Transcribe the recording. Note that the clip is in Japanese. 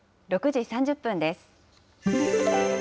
６時３０分です。